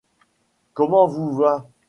Comment vous va ?